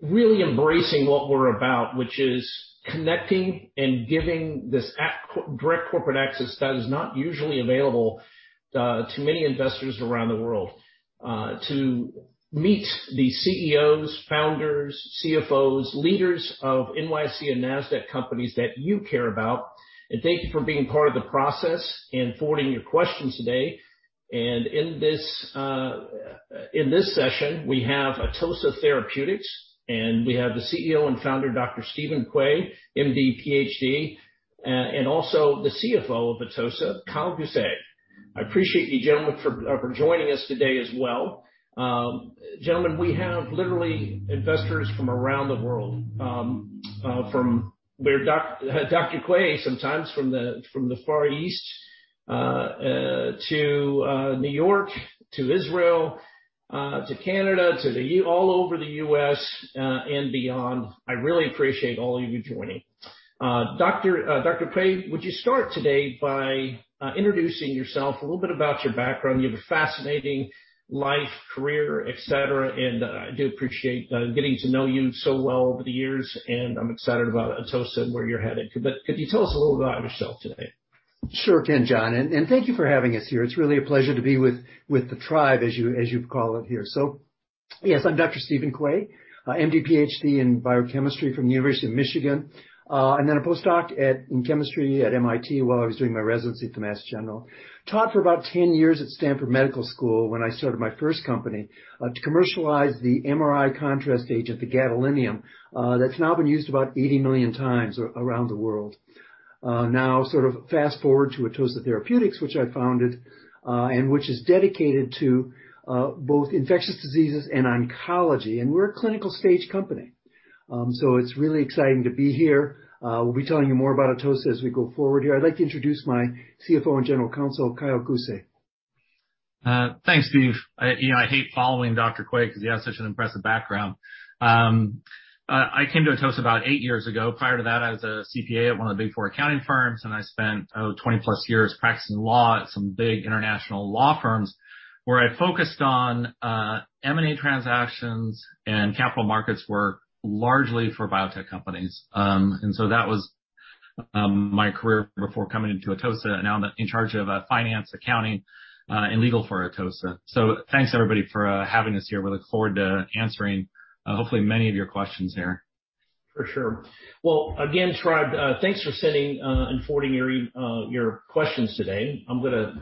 Really embracing what we're about, which is connecting and giving this direct corporate access that is not usually available to many investors around the world to meet the CEOs, founders, CFOs, leaders of NYSE and Nasdaq companies that you care about. Thank you for being part of the process and forwarding your questions today. In this session, we have Atossa Therapeutics, and we have the CEO and founder, Dr. Steven Quay, MD, PhD, and also the CFO of Atossa, Kyle Guse. I appreciate you, gentlemen, for joining us today as well. Gentlemen, we have literally investors from around the world, from where Dr. Quay sometimes from the Far East to New York to Israel to Canada, to the U... All over the U.S. and beyond. I really appreciate all of you joining. Doctor, Dr. Quay, would you start today by introducing yourself, a little bit about your background? You have a fascinating life, career, et cetera, and I do appreciate getting to know you so well over the years, and I'm excited about Atossa and where you're headed. Could you tell us a little about yourself today? Sure can, John. Thank you for having us here. It's really a pleasure to be with the tribe, as you call it here. Yes, I'm Dr. Steven Quay, MD, PhD in biochemistry from the University of Michigan, and then a postdoc in chemistry at MIT while I was doing my residency at the Mass General. Taught for about 10 years at Stanford Medical School when I started my first company to commercialize the MRI contrast agent, the gadolinium, that's now been used about 80 million times around the world. Now sort of fast-forward to Atossa Therapeutics, which I founded, and which is dedicated to both infectious diseases and oncology. We're a clinical stage company. It's really exciting to be here. We'll be telling you more about Atossa as we go forward here. I'd like to introduce my CFO and General Counsel, Kyle Guse. Thanks, Steve. You know, I hate following Dr. Quay because he has such an impressive background. I came to Atossa about 8 years ago. Prior to that, I was a CPA at one of the Big Four accounting firms, and I spent 20+ years practicing law at some big international law firms where I focused on M&A transactions and capital markets work largely for biotech companies. That was my career before coming into Atossa. Now I'm in charge of finance, accounting, and legal for Atossa. Thanks, everybody, for having us here. We look forward to answering hopefully many of your questions here. For sure. Well, again, Tribe, thanks for sending and forwarding your questions today. I'm gonna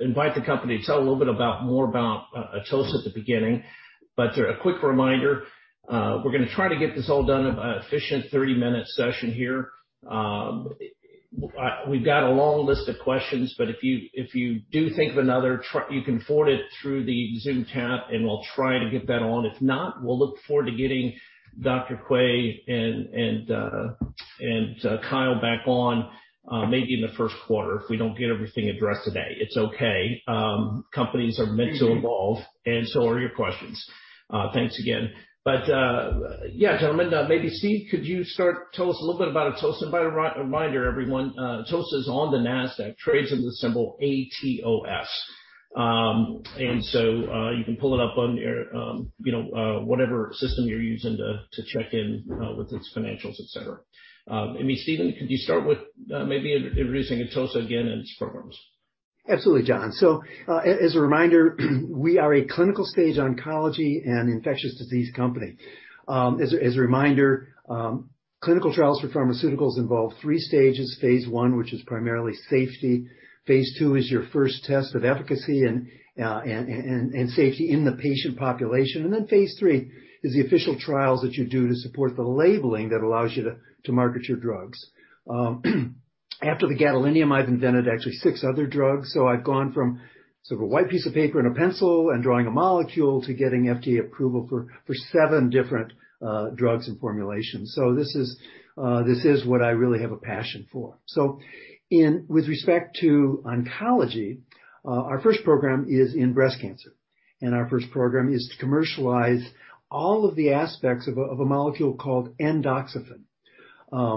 invite the company to tell a little bit more about Atossa at the beginning. A quick reminder, we're gonna try to get this all done in an efficient 30-minute session here. We've got a long list of questions, but if you do think of another, you can forward it through the Zoom chat, and we'll try to get that on. If not, we'll look forward to getting Dr. Quay and Kyle back on, maybe in the first quarter if we don't get everything addressed today. It's okay. Companies are meant to evolve, and so are your questions. Thanks again. Yeah, gentlemen, maybe Steve, could you start, tell us a little bit about Atossa? By reminder, everyone, Atossa is on the Nasdaq, trades under the symbol ATOS. You can pull it up on your, you know, whatever system you're using to check in with its financials, et cetera. I mean, Steven, could you start with, maybe introducing Atossa again and its programs? Absolutely, John. As a reminder, we are a clinical stage oncology and infectious disease company. As a reminder, clinical trials for pharmaceuticals involve three stages. Phase I, which is primarily safety. Phase II is your first test of efficacy and safety in the patient population. Phase III is the official trials that you do to support the labeling that allows you to market your drugs. After the gadolinium, I've invented actually 6 other drugs. I've gone from sort of a white piece of paper and a pencil and drawing a molecule to getting FDA approval for 7 different drugs and formulations. This is what I really have a passion for. With respect to oncology, our first program is in breast cancer. Our first program is to commercialize all of the aspects of a molecule called endoxifen,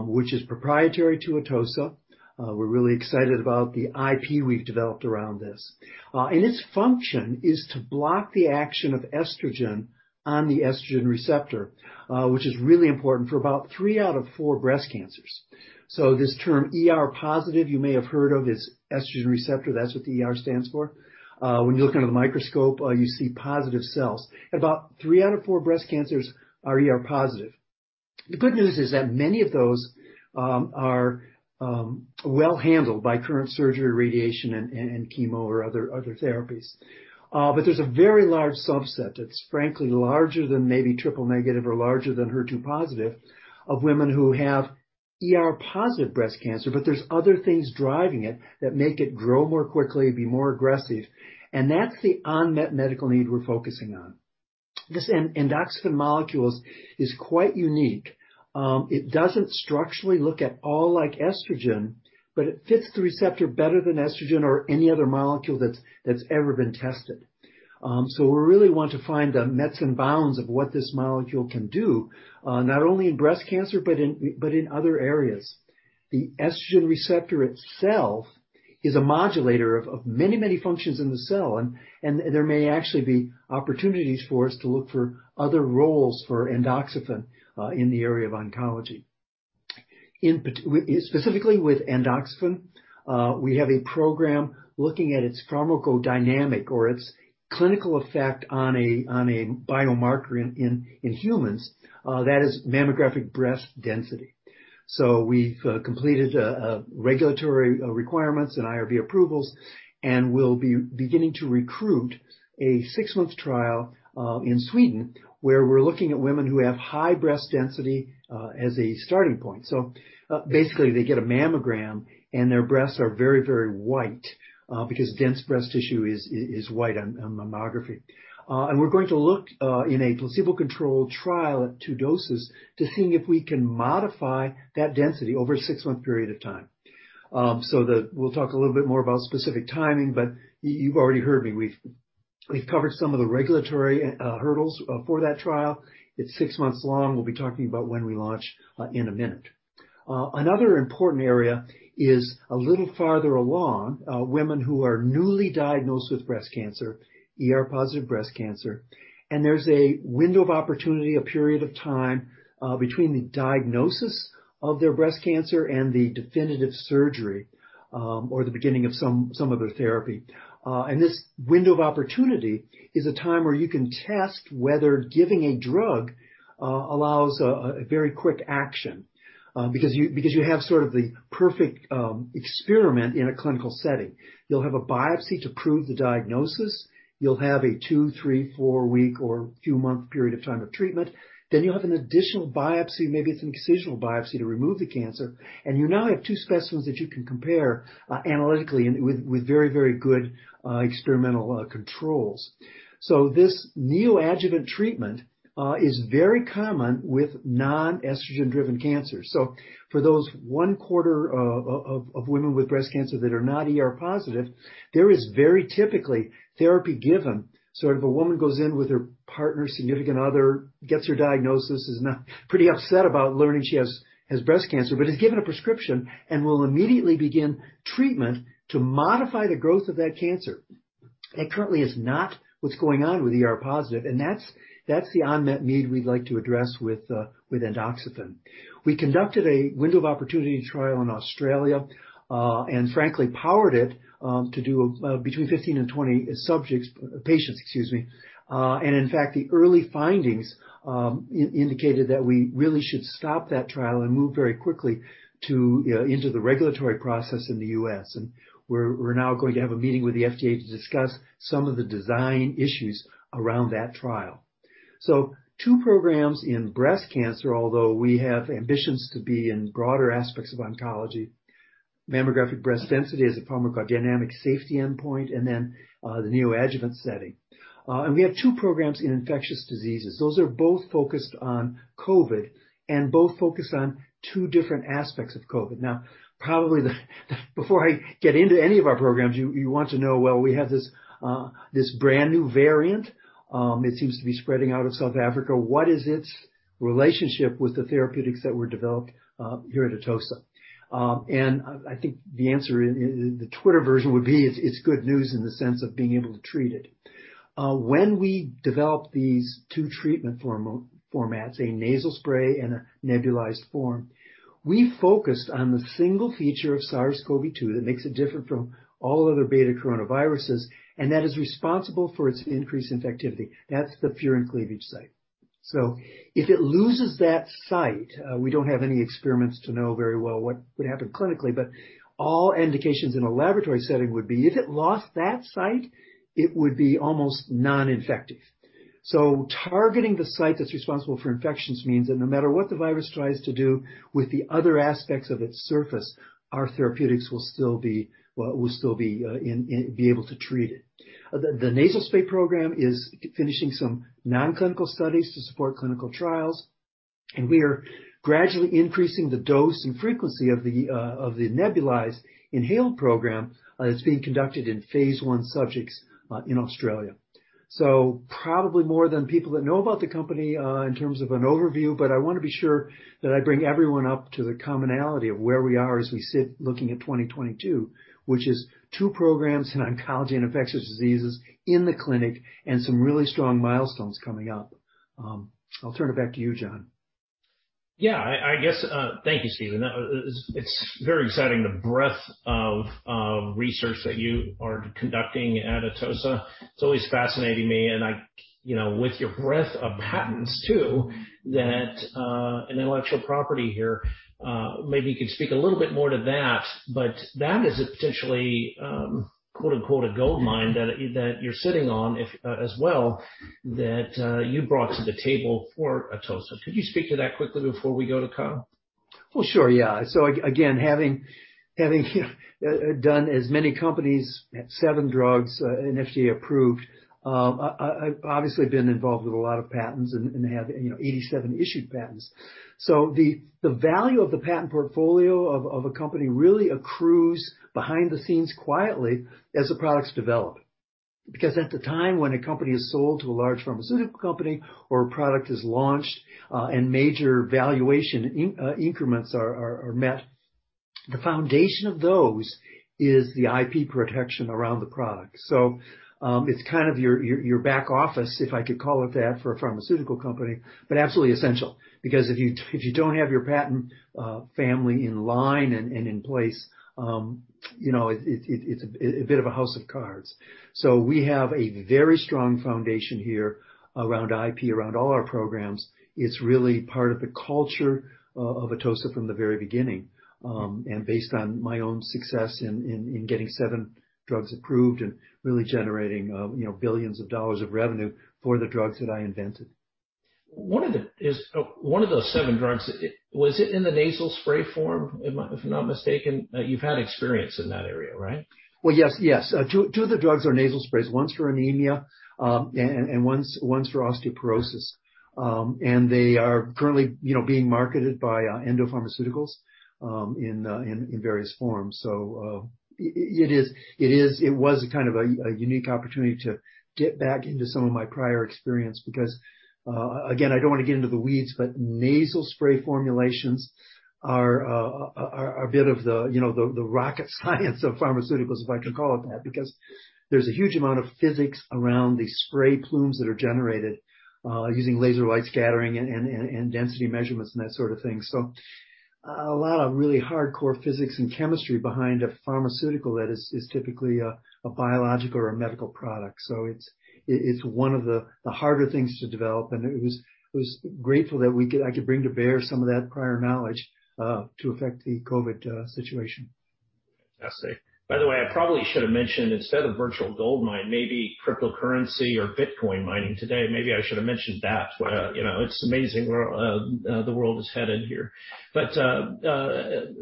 which is proprietary to Atossa. We're really excited about the IP we've developed around this. Its function is to block the action of estrogen on the estrogen receptor, which is really important for about three out of four breast cancers. This term ER positive, you may have heard of, is estrogen receptor. That's what the ER stands for. When you look under the microscope, you see positive cells. About three out of four breast cancers are ER positive. The good news is that many of those are well handled by current surgery, radiation, and chemo or other therapies. There's a very large subset, it's frankly larger than maybe triple negative or larger than HER2 positive, of women who have ER positive breast cancer, but there's other things driving it that make it grow more quickly and be more aggressive. That's the unmet medical need we're focusing on. This endoxifen molecule is quite unique. It doesn't structurally look at all like estrogen, but it fits the receptor better than estrogen or any other molecule that's ever been tested. We really want to find the metes and bounds of what this molecule can do, not only in breast cancer, but in other areas. The estrogen receptor itself is a modulator of many functions in the cell, and there may actually be opportunities for us to look for other roles for endoxifen, in the area of oncology. Specifically with endoxifen, we have a program looking at its pharmacodynamic or its clinical effect on a biomarker in humans that is mammographic breast density. We've completed regulatory requirements and IRB approvals, and we'll be beginning to recruit a six-month trial in Sweden, where we're looking at women who have high breast density as a starting point. Basically, they get a mammogram, and their breasts are very, very white because dense breast tissue is white on mammography. We're going to look in a placebo-controlled trial at two doses to see if we can modify that density over a six-month period of time. We'll talk a little bit more about specific timing, but you've already heard me. We've covered some of the regulatory hurdles for that trial. It's six months long. We'll be talking about when we launch in a minute. Another important area is a little farther along, women who are newly diagnosed with breast cancer, ER-positive breast cancer, and there's a window of opportunity, a period of time, between the diagnosis of their breast cancer and the definitive surgery, or the beginning of some other therapy. This window of opportunity is a time where you can test whether giving a drug allows a very quick action, because you have sort of the perfect experiment in a clinical setting. You'll have a biopsy to prove the diagnosis. You'll have a two, three, four-week or few-month period of time of treatment. You'll have an additional biopsy, maybe it's an incisional biopsy, to remove the cancer, and you now have two specimens that you can compare analytically and with very, very good experimental controls. This neoadjuvant treatment is very common with non-estrogen-driven cancer. For those one quarter of women with breast cancer that are not ER positive, there is very typically therapy given, so if a woman goes in with her partner, significant other, gets her diagnosis, is now pretty upset about learning she has breast cancer, but is given a prescription and will immediately begin treatment to modify the growth of that cancer. That currently is not what's going on with ER positive, and that's the unmet need we'd like to address with endoxifen. We conducted a window of opportunity trial in Australia, and frankly powered it to do between 15 and 20 patients, excuse me. In fact, the early findings indicated that we really should stop that trial and move very quickly into the regulatory process in the U.S. We're now going to have a meeting with the FDA to discuss some of the design issues around that trial. Two programs in breast cancer, although we have ambitions to be in broader aspects of oncology, mammographic breast density as a pharmacodynamic safety endpoint, and then the neoadjuvant setting. We have two programs in infectious diseases. Those are both focused on COVID, and both focused on two different aspects of COVID. Before I get into any of our programs, you want to know, well, we have this brand-new variant. It seems to be spreading out of South Africa. What is its relationship with the therapeutics that were developed here at Atossa? I think the answer in the Twitter version would be it's good news in the sense of being able to treat it. When we developed these two treatment formats, a nasal spray and a nebulized form, we focused on the single feature of SARS-CoV-2 that makes it different from all other betacoronaviruses, and that is responsible for its increased infectivity. That's the furin cleavage site. If it loses that site, we don't have any experiments to know very well what would happen clinically, but all indications in a laboratory setting would be if it lost that site, it would be almost non-infective. Targeting the site that's responsible for infections means that no matter what the virus tries to do with the other aspects of its surface, our therapeutics will still be able to treat it. The nasal spray program is finishing some non-clinical studies to support clinical trials, and we are gradually increasing the dose and frequency of the nebulized inhaled program that's being conducted in phase I subjects in Australia. Probably more than people that know about the company, in terms of an overview, but I wanna be sure that I bring everyone up to the commonality of where we are as we sit looking at 2022, which is 2 programs in oncology and infectious diseases in the clinic and some really strong milestones coming up. I'll turn it back to you, John. Yeah. I guess thank you, Steven. That was. It's very exciting, the breadth of research that you are conducting at Atossa. It's always fascinating me and I you know with your breadth of patents too that an intellectual property here maybe you could speak a little bit more to that, but that is a potentially quote unquote "a goldmine" that you're sitting on if as well that you brought to the table for Atossa. Could you speak to that quickly before we go to Kyle? Well, sure. Yeah. Again, having done as many companies, 7 drugs, and FDA approved, I've obviously been involved with a lot of patents and have, you know, 87 issued patents. The value of the patent portfolio of a company really accrues behind the scenes quietly as the products develop. Because at the time when a company is sold to a large pharmaceutical company or a product is launched, and major valuation increments are met, the foundation of those is the IP protection around the product. It's kind of your back office, if I could call it that, for a pharmaceutical company, but absolutely essential because if you don't have your patent family in line and in place, you know, it's a bit of a house of cards. We have a very strong foundation here around IP, around all our programs. It's really part of the culture of Atossa from the very beginning. Based on my own success in getting seven drugs approved and really generating you know billions of dollars of revenue for the drugs that I invented. Is one of those seven drugs in the nasal spray form? If I'm not mistaken, you've had experience in that area, right? Well, yes. Yes. Two of the drugs are nasal sprays, one's for anemia, and one's for osteoporosis. They are currently, you know, being marketed by Endo Pharmaceuticals in various forms. It was a kind of a unique opportunity to get back into some of my prior experience because, again, I don't wanna get into the weeds, but nasal spray formulations are a bit of the, you know, the rocket science of pharmaceuticals, if I can call it that, because there's a huge amount of physics around the spray plumes that are generated using laser light scattering and density measurements and that sort of thing. A lot of really hardcore physics and chemistry behind a pharmaceutical that is typically a biological or a medical product. It's one of the harder things to develop. I was grateful that I could bring to bear some of that prior knowledge to affect the COVID situation. Fantastic. By the way, I probably should have mentioned, instead of virtual goldmine, maybe cryptocurrency or Bitcoin mining today, maybe I should have mentioned that. You know, it's amazing where the world is headed here.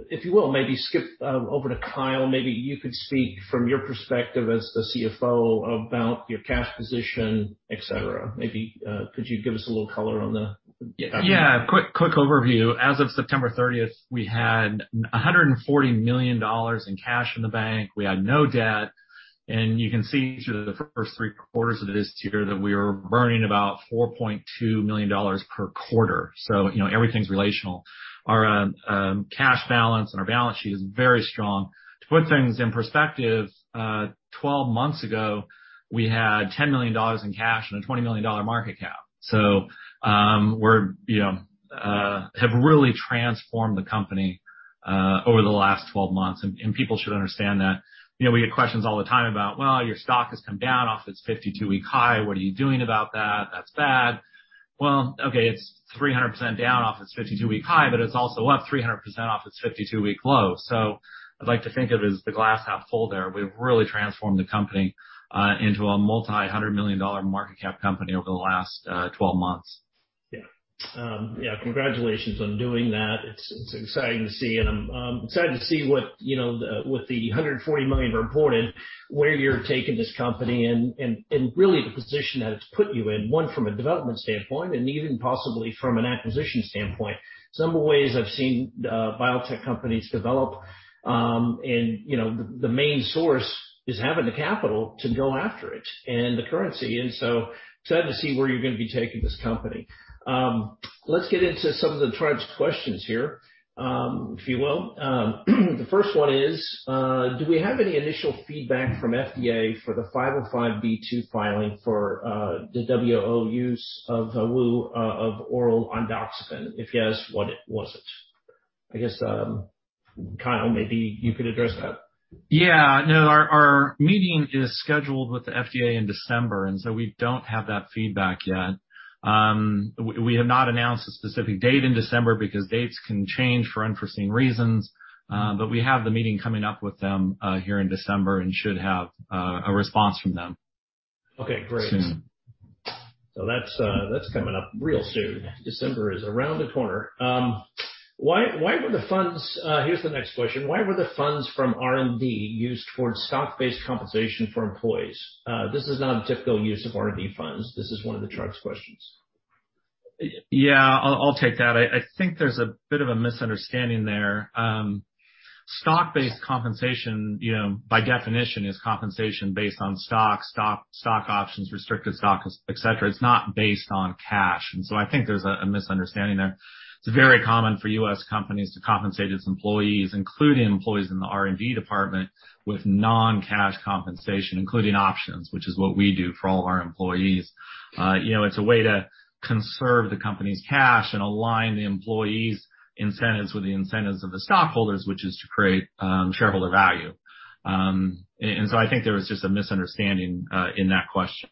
If you will maybe skip over to Kyle, maybe you could speak from your perspective as the CFO about your cash position, et cetera. Maybe could you give us a little color on the- Yeah. Quick overview. As of September 30, we had $140 million in cash in the bank. We had no debt. You can see through the first three quarters of this year that we were burning about $4.2 million per quarter. You know, everything's relational. Our cash balance and our balance sheet is very strong. To put things in perspective, 12 months ago, we had $10 million in cash and a $20 million market cap. You know, have really transformed the company over the last 12 months, and people should understand that. You know, we get questions all the time about, "Well, your stock has come down off its 52-week high. What are you doing about that? That's bad." Well, okay, it's 300% down off its 52-week high, but it's also up 300% off its 52-week low. I'd like to think of it as the glass half full there. We've really transformed the company into a $multi-hundred million market cap company over the last 12 months. Yeah. Yeah, congratulations on doing that. It's exciting to see, and I'm excited to see what, you know, with the $140 million reported, where you're taking this company and really the position that it's put you in, one from a development standpoint and even possibly from an acquisition standpoint. Some of the ways I've seen biotech companies develop, and you know, the main source is having the capital to go after it and the currency. Excited to see where you're gonna be taking this company. Let's get into some of the Tribe's questions here, if you will. The first one is, do we have any initial feedback from FDA for the 505(b)(2) filing for the window of opportunity use of oral endoxifen? If yes, what was it? I guess, Kyle, maybe you could address that. Yeah. No, our meeting is scheduled with the FDA in December, and so we don't have that feedback yet. We have not announced a specific date in December because dates can change for unforeseen reasons, but we have the meeting coming up with them here in December and should have a response from them. Okay, great. Soon. That's coming up real soon. December is around the corner. Here's the next question: Why were the funds from R&D used towards stock-based compensation for employees? This is not a typical use of R&D funds. This is one of the Tribe's questions. Yeah. I'll take that. I think there's a bit of a misunderstanding there. Stock-based compensation, you know, by definition, is compensation based on stock options, restricted stock, et cetera. It's not based on cash. I think there's a misunderstanding there. It's very common for U.S. companies to compensate its employees, including employees in the R&D department, with non-cash compensation, including options, which is what we do for all of our employees. You know, it's a way to conserve the company's cash and align the employees' incentives with the incentives of the stockholders, which is to create shareholder value. I think there was just a misunderstanding in that question,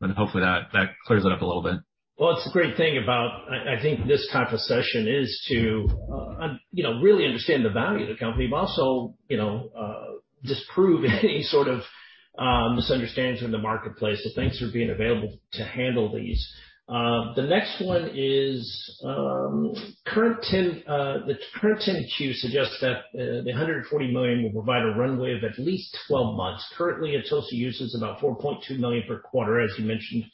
and hopefully that clears it up a little bit. Well, it's a great thing about. I think this type of session is to you know, really understand the value of the company, but also, you know, disprove any sort of misunderstandings in the marketplace. Thanks for being available to handle these. The next one is the current 10-Q suggests that the $140 million will provide a runway of at least 12 months. Currently, Atossa uses about $4.2 million per quarter, as you mentioned.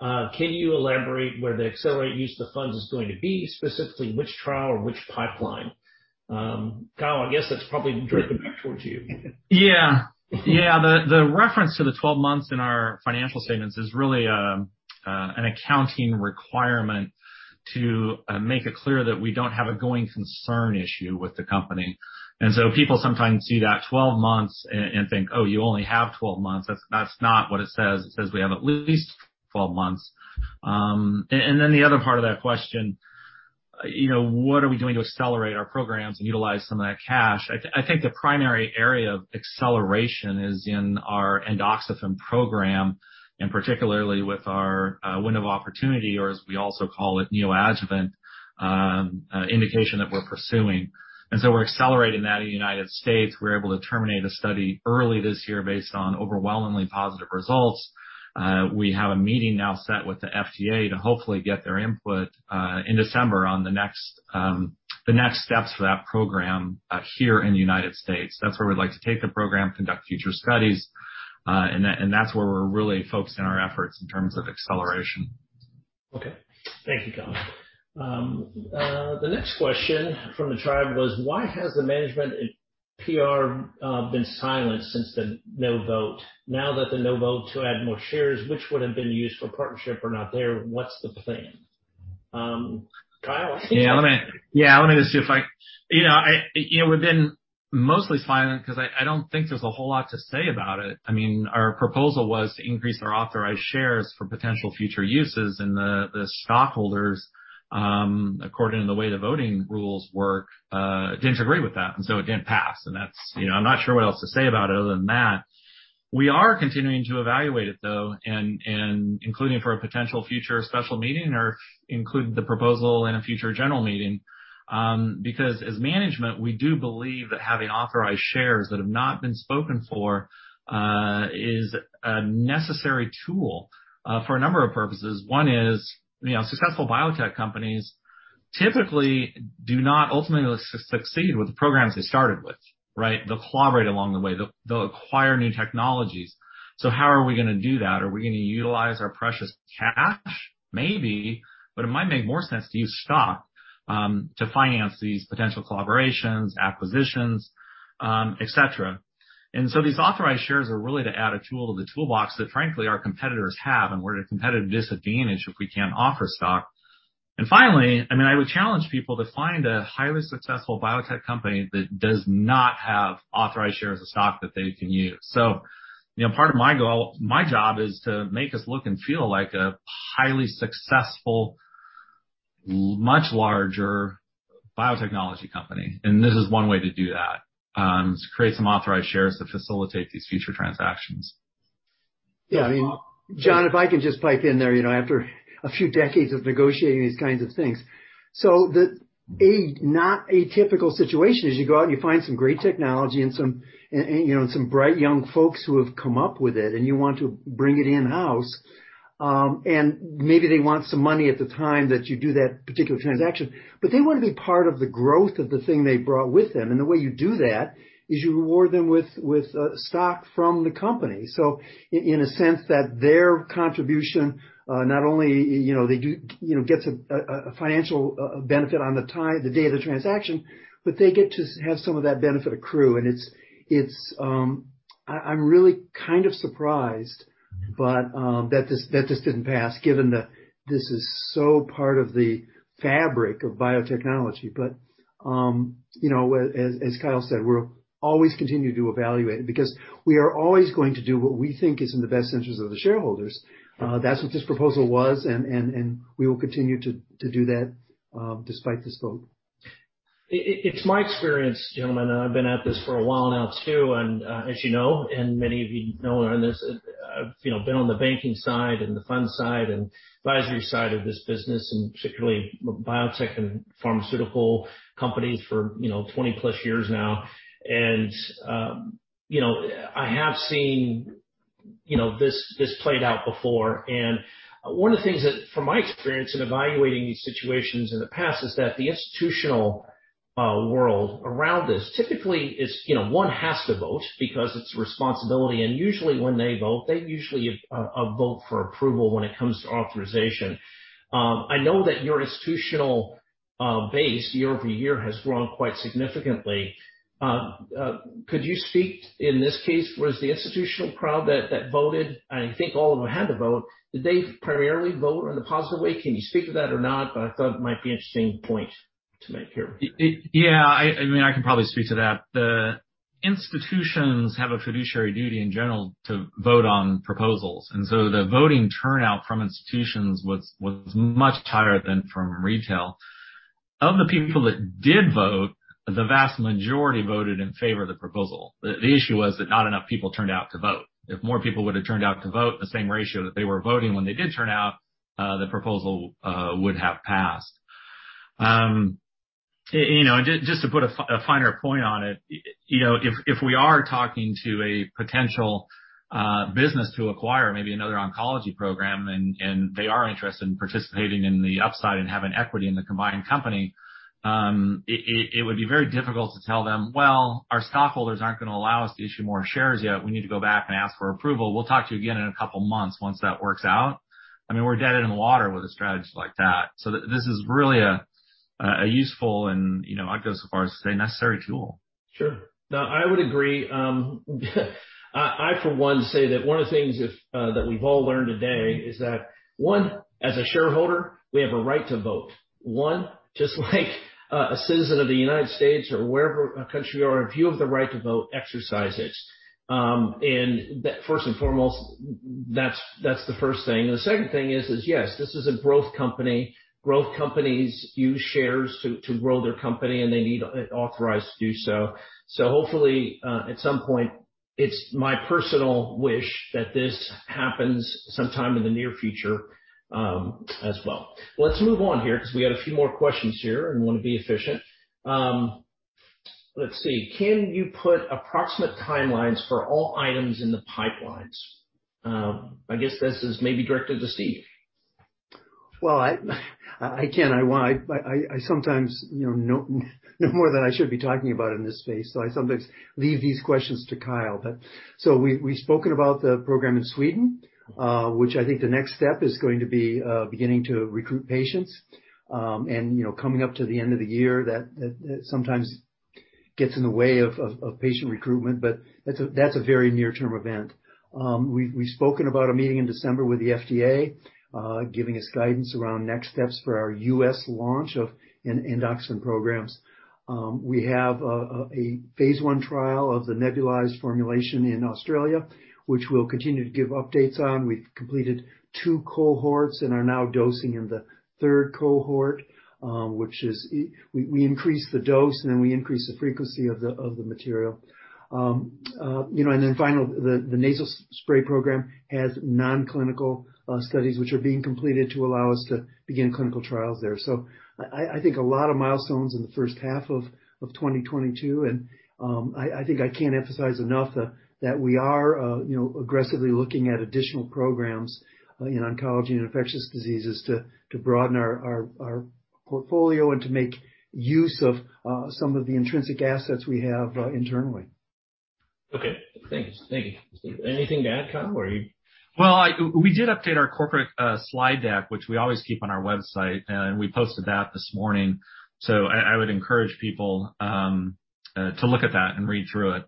Can you elaborate where the accelerated use of the funds is going to be, specifically which trial or which pipeline? Kyle, I guess that's probably directed back towards you. Yeah. Yeah. The reference to the 12 months in our financial statements is really an accounting requirement to make it clear that we don't have a going concern issue with the company. People sometimes see that 12 months and think, "Oh, you only have 12 months." That's not what it says. It says we have at least 12 months. Then the other part of that question, you know, what are we doing to accelerate our programs and utilize some of that cash? I think the primary area of acceleration is in our endoxifen program, and particularly with our window of opportunity, or as we also call it, neoadjuvant indication that we're pursuing. We're accelerating that in the United States. We're able to terminate a study early this year based on overwhelmingly positive results. We have a meeting now set with the FDA to hopefully get their input in December on the next steps for that program here in the United States. That's where we'd like to take the program, conduct future studies, and that's where we're really focusing our efforts in terms of acceleration. Okay. Thank you, Kyle. The next question from the tribe was why has the management and PR been silent since the no vote? Now that the no vote to add more shares, which would have been used for partnership are not there, what's the plan? Kyle, I think that's- Yeah. You know, we've been mostly silent 'cause I don't think there's a whole lot to say about it. I mean, our proposal was to increase our authorized shares for potential future uses, and the stockholders, according to the way the voting rules work, didn't agree with that, and so it didn't pass. That's, you know, I'm not sure what else to say about it other than that. We are continuing to evaluate it, though, and including for a potential future special meeting or include the proposal in a future general meeting. Because as management, we do believe that having authorized shares that have not been spoken for is a necessary tool for a number of purposes. One is, you know, successful biotech companies typically do not ultimately succeed with the programs they started with, right? They'll collaborate along the way. They'll acquire new technologies. How are we gonna do that? Are we gonna utilize our precious cash? Maybe, but it might make more sense to use stock to finance these potential collaborations, acquisitions, et cetera. These authorized shares are really to add a tool to the toolbox that frankly our competitors have, and we're at a competitive disadvantage if we can't offer stock. Finally, I mean, I would challenge people to find a highly successful biotech company that does not have authorized shares of stock that they can use. you know, part of my goal, my job is to make us look and feel like a highly successful, much larger biotechnology company, and this is one way to do that, is create some authorized shares to facilitate these future transactions. Yeah. Yeah. I mean, John, if I can just pipe in there, you know, after a few decades of negotiating these kinds of things. A not atypical situation is you go out and you find some great technology and some bright young folks who have come up with it and you want to bring it in-house, and maybe they want some money at the time that you do that particular transaction, but they wanna be part of the growth of the thing they brought with them. The way you do that is you reward them with stock from the company. In a sense that their contribution not only they get a financial benefit on the day of the transaction, but they get to have some of that benefit accrue. It's I'm really kind of surprised but that this didn't pass given that this is so part of the fabric of biotechnology. As Kyle said, we'll always continue to evaluate it because we are always going to do what we think is in the best interest of the shareholders. That's what this proposal was and we will continue to do that despite this vote. It's my experience, gentlemen, I've been at this for a while now too, as you know, and many of you know, are in this, you know, been on the banking side and the fund side and advisory side of this business, and particularly biotech and pharmaceutical companies for, you know, 20+ years now. You know, I have seen this played out before. One of the things that, from my experience in evaluating these situations in the past is that the institutional world around this typically is, you know, one has to vote because it's responsibility. Usually when they vote, they usually vote for approval when it comes to authorization. I know that your institutional base year-over-year has grown quite significantly. Could you speak in this case, was the institutional crowd that voted, and I think all of them had to vote, did they primarily vote in a positive way? Can you speak to that or not? I thought it might be an interesting point to make here. Yeah. I mean, I can probably speak to that. The institutions have a fiduciary duty in general to vote on proposals, and so the voting turnout from institutions was much higher than from retail. Of the people that did vote, the vast majority voted in favor of the proposal. The issue was that not enough people turned out to vote. If more people would've turned out to vote, the same ratio that they were voting when they did turn out, the proposal would have passed. You know, just to put a finer point on it, you know, if we are talking to a potential business to acquire maybe another oncology program and they are interested in participating in the upside and having equity in the combined company, it would be very difficult to tell them, "Well, our stockholders aren't gonna allow us to issue more shares yet. We need to go back and ask for approval. We'll talk to you again in a couple of months once that works out." I mean, we're dead in the water with a strategy like that. This is really a useful and, you know, I'd go so far as to say necessary tool. Sure. No, I would agree. I for one say that one of the things that we've all learned today is that, one, as a shareholder, we have a right to vote. One, just like a citizen of the United States or wherever a country are, if you have the right to vote, exercise it. And that first and foremost, that's the first thing. The second thing is yes, this is a growth company. Growth companies use shares to grow their company, and they need authorized to do so. So hopefully at some point, it's my personal wish that this happens sometime in the near future, as well. Let's move on here 'cause we got a few more questions here and wanna be efficient. Let's see. Can you put approximate timelines for all items in the pipelines? I guess this is maybe directed to Steve. Well, I can. I won't. I sometimes, you know more than I should be talking about in this space, so I sometimes leave these questions to Kyle. We've spoken about the program in Sweden, which I think the next step is going to be beginning to recruit patients. You know, coming up to the end of the year, that sometimes gets in the way of patient recruitment, but that's a very near-term event. We've spoken about a meeting in December with the FDA, giving us guidance around next steps for our U.S. launch of an endoxifen programs. We have a phase I trial of the nebulized formulation in Australia, which we'll continue to give updates on. We've completed two cohorts and are now dosing in the third cohort, which is we increase the dose, and then we increase the frequency of the material. You know, and then finally the nasal spray program has nonclinical studies which are being completed to allow us to begin clinical trials there. I think a lot of milestones in the first half of 2022, and I think I can't emphasize enough that we are you know, aggressively looking at additional programs in oncology and infectious diseases to broaden our portfolio and to make use of some of the intrinsic assets we have internally. Okay. Thank you. Anything to add, Kyle, or are you- Well, we did update our corporate slide deck, which we always keep on our website, and we posted that this morning. I would encourage people to look at that and read through it.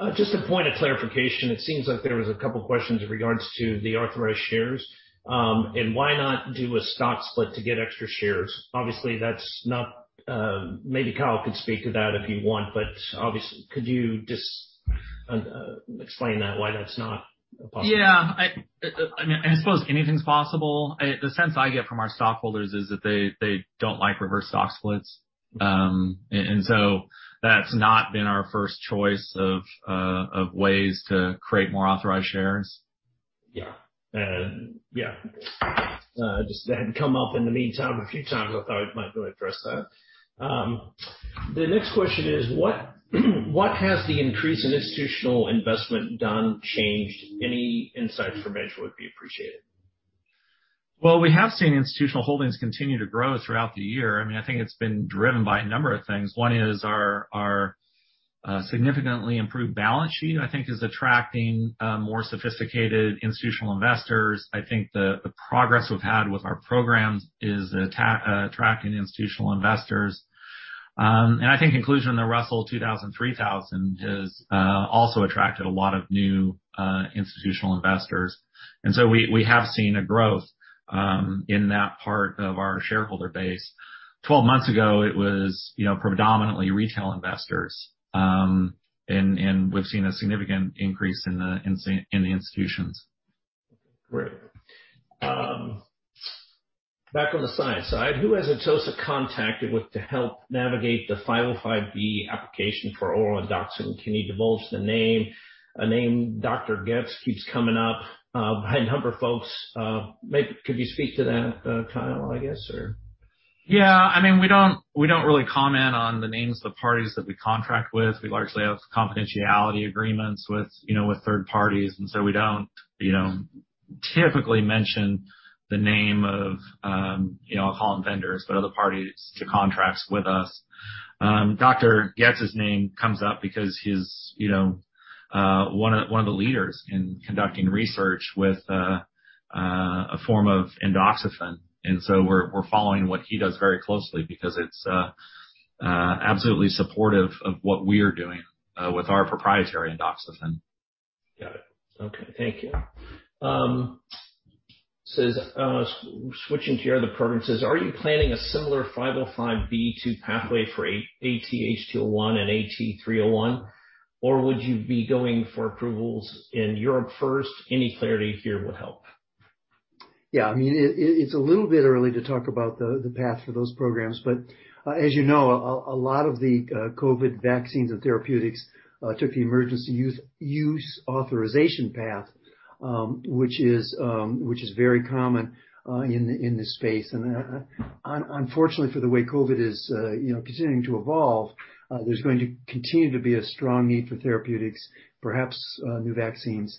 Okay. Just a point of clarification. It seems like there was a couple questions in regards to the authorized shares, and why not do a stock split to get extra shares? Obviously, that's not. Maybe Kyle could speak to that if you want, but obviously could you just explain that, why that's not possible? Yeah. I mean, I suppose anything's possible. The sense I get from our stockholders is that they don't like reverse stock splits. That's not been our first choice of ways to create more authorized shares. Yeah. Yeah. Just that had come up in the meantime a few times. I thought I might go address that. The next question is what has the increase in institutional investment done, changed? Any insights [information] would be appreciated. Well, we have seen institutional holdings continue to grow throughout the year. I mean, I think it's been driven by a number of things. One is our significantly improved balance sheet, I think, is attracting more sophisticated institutional investors. I think the progress we've had with our programs is attracting institutional investors. I think inclusion in the Russell 2000/3000 has also attracted a lot of new institutional investors. We have seen a growth in that part of our shareholder base. 12 months ago, it was, you know, predominantly retail investors. We've seen a significant increase in the institutions. Great. Back on the science side, who has Atossa contacted with to help navigate the 505(b)(2) application for oral endoxifen? Can you divulge the name? A name Dr. Goetz keeps coming up by a number of folks. Could you speak to that, Kyle, I guess, or? Yeah. I mean, we don't really comment on the names of the parties that we contract with. We largely have confidentiality agreements with, you know, with third parties, and so we don't, you know, typically mention the name of, you know, I'll call them vendors, but other parties to contracts with us. Dr. Goetz's name comes up because he's, you know, one of the leaders in conducting research with a form of endoxifen. We're following what he does very closely because it's absolutely supportive of what we're doing with our proprietary endoxifen. Got it. Okay. Thank you. Says, switching to your other programs, it says, are you planning a similar 505(b)(2) pathway for AT-201 and AT-301, or would you be going for approvals in Europe first? Any clarity here would help. Yeah. I mean, it's a little bit early to talk about the path for those programs. As you know, a lot of the COVID vaccines and therapeutics took the emergency use authorization path, which is very common in this space. Unfortunately for the way COVID is you know continuing to evolve, there's going to continue to be a strong need for therapeutics, perhaps new vaccines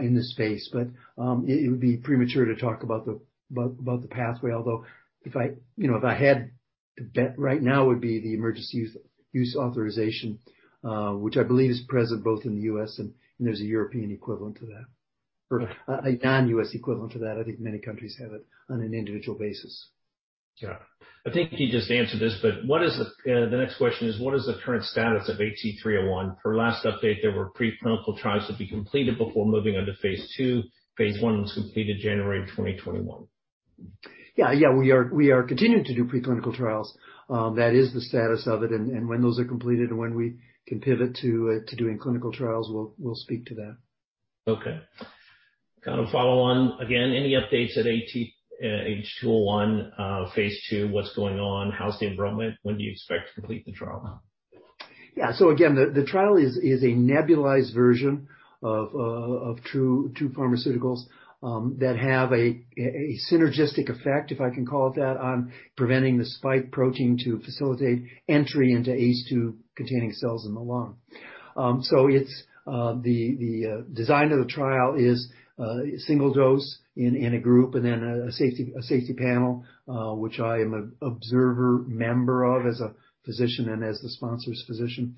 in this space. It would be premature to talk about the pathway. Although if I, you know, if I had to bet right now, it would be the Emergency Use Authorization, which I believe is present both in the U.S. and there's a European equivalent to that. For a non-U.S. equivalent to that, I think many countries have it on an individual basis. Yeah. I think you just answered this, but what is the next question is what is the current status of AT-301? Per last update, there were preclinical trials to be completed before moving on to phase II. Phase I was completed January 2021. Yeah. We are continuing to do preclinical trials. That is the status of it. When those are completed and when we can pivot to doing clinical trials, we'll speak to that. Okay. Kind of follow on. Again, any updates at AT-H201, phase II, what's going on? How's the enrollment? When do you expect to complete the trial? Yeah. Again, the trial is a nebulized version of 2 pharmaceuticals that have a synergistic effect, if I can call it that, on preventing the spike protein to facilitate entry into ACE2 containing cells in the lung. It's the design of the trial is single dose in a group and then a safety panel which I am an observer member of as a physician and as the sponsor's physician.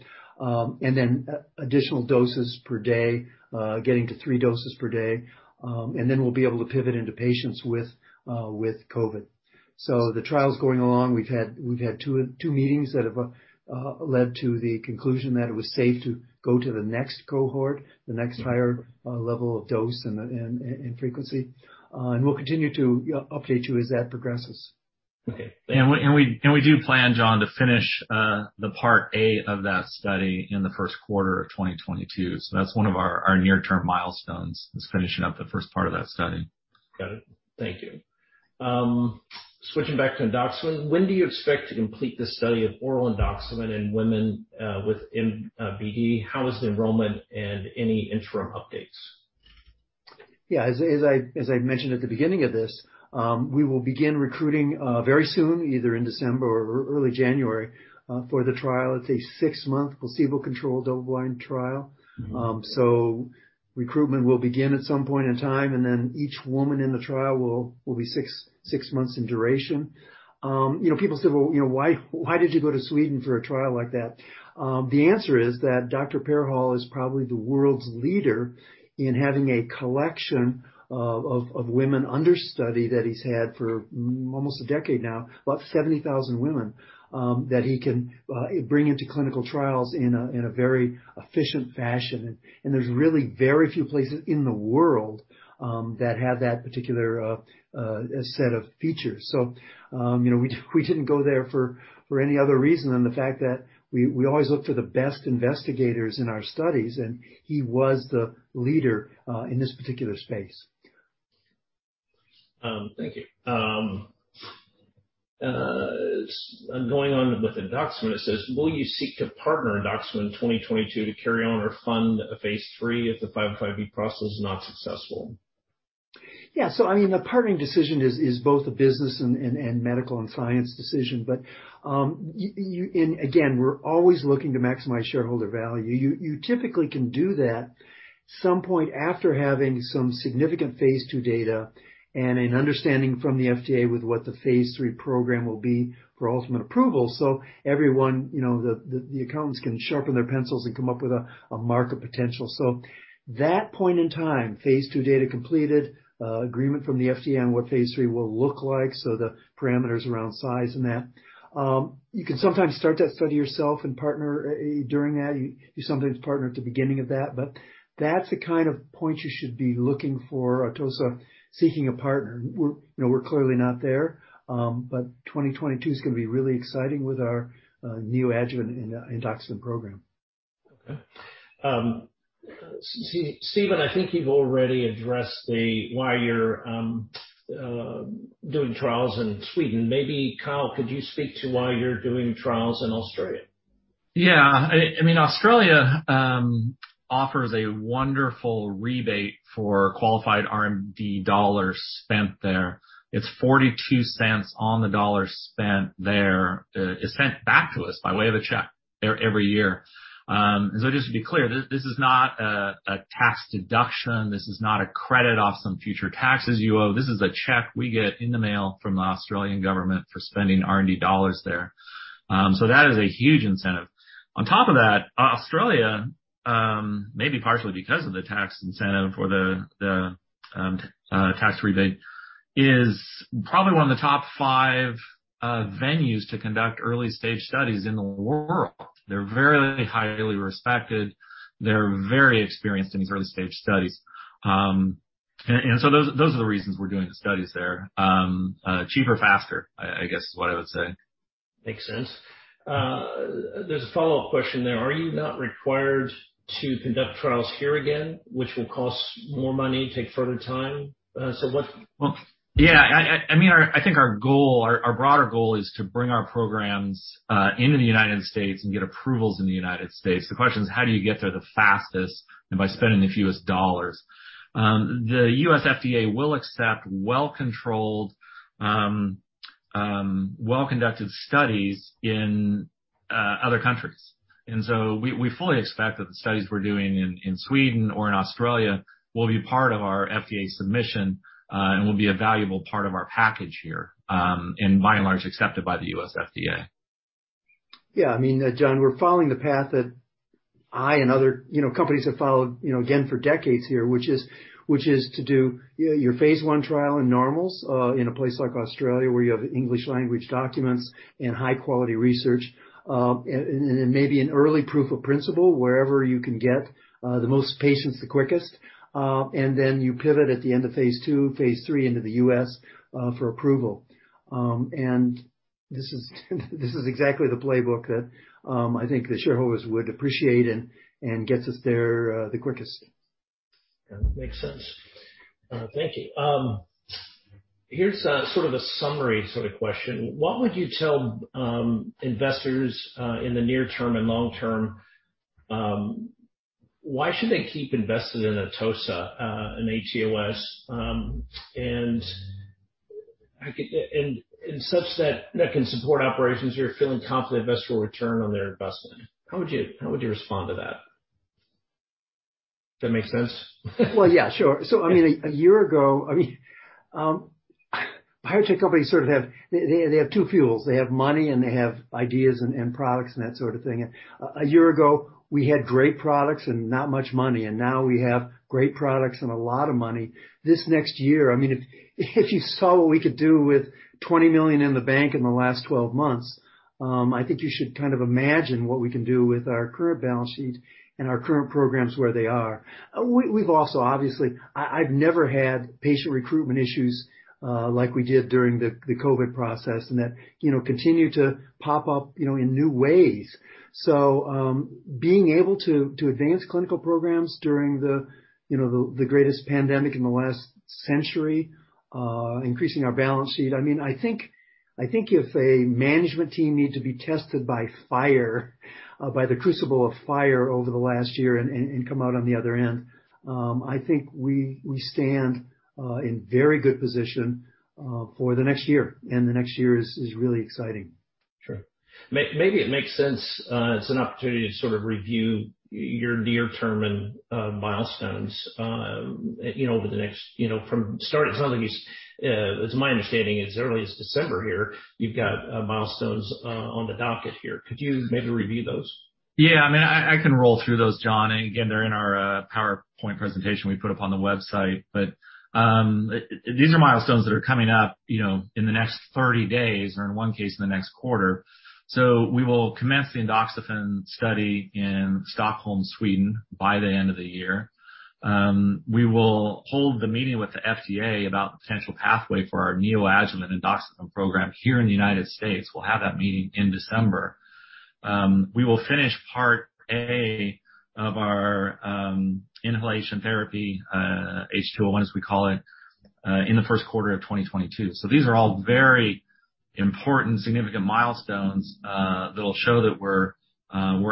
Then additional doses per day, getting to 3 doses per day. Then we'll be able to pivot into patients with COVID. The trial's going along. We've had two meetings that have led to the conclusion that it was safe to go to the next cohort, the next higher level of dose and frequency. We'll continue to update you as that progresses. Okay. We do plan, John, to finish part A of that study in the first quarter of 2022. That's one of our near term milestones, is finishing up the first part of that study. Got it. Thank you. Switching back to endoxifen. When do you expect to complete the study of oral endoxifen in women with MBD? How is the enrollment and any interim updates? As I mentioned at the beginning of this, we will begin recruiting very soon, either in December or early January for the trial. It's a six-month placebo-controlled double-blind trial. So recruitment will begin at some point in time, and then each woman in the trial will be six months in duration. You know, people said, "Well, you know, why did you go to Sweden for a trial like that?" The answer is that Per Hall is probably the world's leader in having a collection of women under study that he's had for almost a decade now. About 70,000 women that he can bring into clinical trials in a very efficient fashion. There's really very few places in the world that have that particular set of features. You know, we didn't go there for any other reason than the fact that we always look for the best investigators in our studies, and he was the leader in this particular space. Thank you. Going on with endoxifen, it says, will you seek to partner endoxifen in 2022 to carry on or fund a phase III if the 505(b)(2) process is not successful? Yeah. I mean, the partnering decision is both a business and medical and science decision, but and again, we're always looking to maximize shareholder value. You typically can do that some point after having some significant phase II data and an understanding from the FDA with what the phase III program will be for ultimate approval. Everyone, you know, the accountants can sharpen their pencils and come up with a market potential. That point in time, phase II data completed, agreement from the FDA on what phase III will look like. The parameters around size and that. You can sometimes start that study yourself and partner during that. You sometimes partner at the beginning of that, but that's the kind of point you should be looking for or to start seeking a partner. We're, you know, clearly not there, but 2022 is gonna be really exciting with our neoadjuvant endoxifen program. Okay. Steve, I think you've already addressed the why you're doing trials in Sweden. Maybe, Kyle, could you speak to why you're doing trials in Australia? I mean, Australia offers a wonderful rebate for qualified R&D dollars spent there. It's $0.42 On the dollar spent there is sent back to us by way of a check there every year. Just to be clear, this is not a tax deduction. This is not a credit off some future taxes you owe. This is a check we get in the mail from the Australian government for spending R&D dollars there. That is a huge incentive. On top of that, Australia maybe partially because of the tax incentive or the tax rebate is probably one of the top 5 venues to conduct early stage studies in the world. They're very highly respected. They're very experienced in these early stage studies. Those are the reasons we're doing the studies there. Cheaper, faster, I guess is what I would say. Makes sense. There's a follow-up question there. Are you not required to conduct trials here again, which will cost more money, take further time? What- Well, yeah, I mean, I think our goal, our broader goal is to bring our programs into the United States and get approvals in the United States. The question is, how do you get there the fastest and by spending the fewest dollars? The US FDA will accept well-controlled, well-conducted studies in other countries. We fully expect that the studies we're doing in Sweden or in Australia will be part of our FDA submission and will be a valuable part of our package here and by and large, accepted by the US FDA. Yeah. I mean, John, we're following the path that I and other companies have followed, you know, again, for decades here, which is to do your phase I trial in normals in a place like Australia, where you have English language documents and high quality research, and maybe an early proof of principle wherever you can get the most patients the quickest. Then you pivot at the end of phase II, phase III into the U.S. for approval. This is exactly the playbook that I think the shareholders would appreciate and gets us there the quickest. Yeah. Makes sense. Thank you. Here's a sort of summary question. What would you tell investors in the near term and long term, why should they keep invested in Atossa and ATOS such that that can support operations you're feeling confident investors will return on their investment. How would you respond to that? That make sense? Well, yeah, sure. I mean, a year ago, I mean, biotech companies sort of have two fuels. They have money, and they have ideas and products and that sort of thing. A year ago, we had great products and not much money, and now we have great products and a lot of money. This next year, I mean, if you saw what we could do with $20 million in the bank in the last 12 months, I think you should kind of imagine what we can do with our current balance sheet and our current programs where they are. We've also obviously. I've never had patient recruitment issues like we did during the COVID process and that you know continue to pop up you know in new ways. Being able to advance clinical programs during you know the greatest pandemic in the last century, increasing our balance sheet. I mean, I think if a management team needs to be tested by fire, by the crucible of fire over the last year and come out on the other end, I think we stand in very good position for the next year, and the next year is really exciting. Sure. Maybe it makes sense as an opportunity to sort of review your near-term and milestones, you know, over the next, you know, from starting, it sounds like it's my understanding as early as December here, you've got milestones on the docket here. Could you maybe review those? Yeah. I mean, I can roll through those, John. Again, they're in our PowerPoint presentation we put up on the website. These are milestones that are coming up, you know, in the next 30 days or in one case, in the next quarter. We will commence the endoxifen study in Stockholm, Sweden by the end of the year. We will hold the meeting with the FDA about the potential pathway for our neoadjuvant endoxifen program here in the United States. We'll have that meeting in December. We will finish part A of our inhalation therapy, AT-H201, as we call it, in the first quarter of 2022. These are all very important, significant milestones, that'll show that we're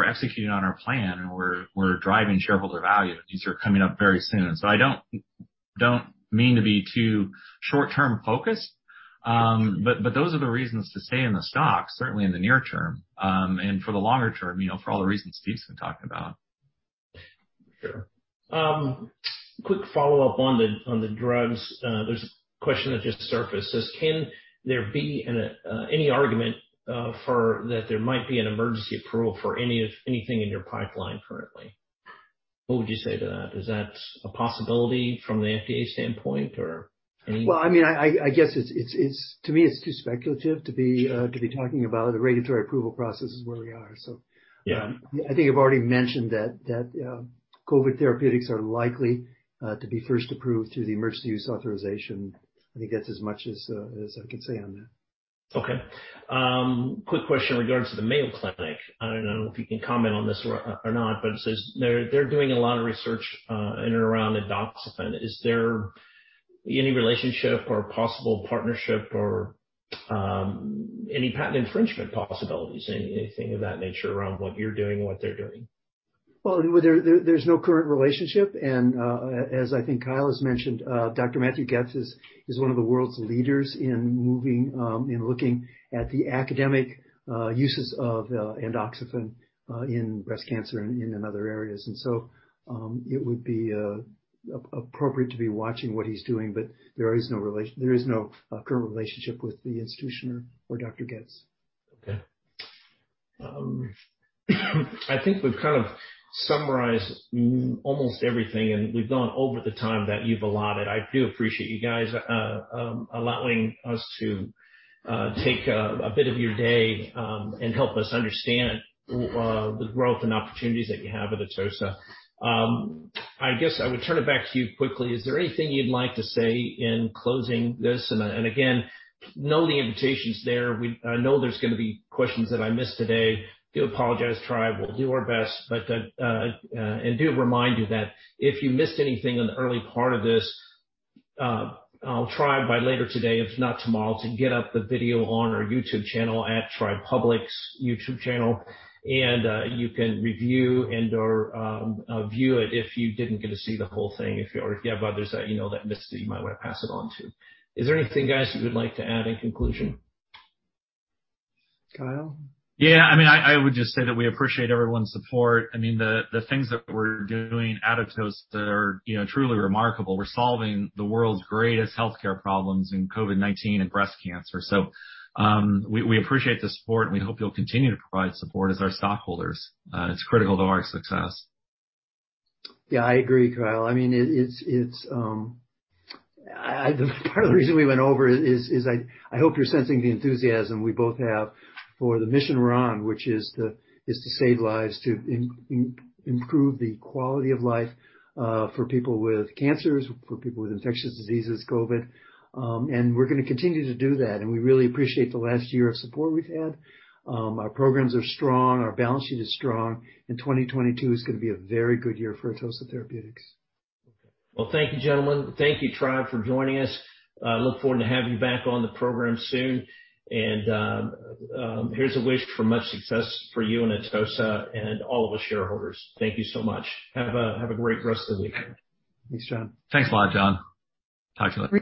executing on our plan and we're driving shareholder value. These are coming up very soon. I don't mean to be too short-term focused. But those are the reasons to stay in the stock, certainly in the near term, and for the longer term, you know, for all the reasons Steve's been talking about. Sure. Quick follow-up on the drugs. There's a question that just surfaced. Says, "Can there be any argument for that there might be an emergency approval for any of anything in your pipeline currently?" What would you say to that? Is that a possibility from the FDA standpoint or any- Well, I mean, I guess, to me, it's too speculative to be talking about the regulatory approval process is where we are so. Yeah. I think I've already mentioned that COVID therapeutics are likely to be first approved through the emergency use authorization. I think that's as much as I can say on that. Okay. Quick question in regards to the Mayo Clinic. I don't know if you can comment on this or not, but it says they're doing a lot of research in and around endoxifen. Is there any relationship or possible partnership or any patent infringement possibilities, anything of that nature around what you're doing and what they're doing? There's no current relationship. As I think Kyle has mentioned, Dr. Matthew Goetz is one of the world's leaders in looking at the academic uses of endoxifen in breast cancer and in other areas. It would be appropriate to be watching what he's doing. There is no relation. There is no current relationship with the institution or Dr. Goetz. Okay. I think we've kind of summarized almost everything, and we've gone over the time that you've allotted. I do appreciate you guys allowing us to take a bit of your day and help us understand the growth and opportunities that you have at Atossa. I guess I would turn it back to you quickly. Is there anything you'd like to say in closing this? And again, you know the invitation's there. I know there's gonna be questions that I missed today. I do apologize, Tribe. We'll do our best. Do remind you that if you missed anything in the early part of this, I'll try by later today, if not tomorrow, to get up the video on our YouTube channel at Tribe Public's YouTube channel, and you can review and/or view it if you didn't get to see the whole thing, or if you have others that you know that missed it, you might want to pass it on to. Is there anything, guys, you would like to add in conclusion? Kyle? Yeah. I mean, I would just say that we appreciate everyone's support. I mean, the things that we're doing at Atossa are, you know, truly remarkable. We're solving the world's greatest healthcare problems in COVID-19 and breast cancer. We appreciate the support, and we hope you'll continue to provide support as our stockholders. It's critical to our success. Yeah, I agree, Kyle. I mean, it's part of the reason we went over is I hope you're sensing the enthusiasm we both have for the mission we're on, which is to save lives, to improve the quality of life for people with cancers, for people with infectious diseases, COVID. We're gonna continue to do that. We really appreciate the last year of support we've had. Our programs are strong. Our balance sheet is strong. 2022 is gonna be a very good year for Atossa Therapeutics. Well, thank you, gentlemen. Thank you, Tribe, for joining us. Look forward to having you back on the program soon. Here's a wish for much success for you and Atossa and all of the shareholders. Thank you so much. Have a great rest of the weekend. Thanks, John. Thanks a lot, John. Talk to you later.